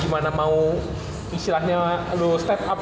gimana mau istilahnya lo step up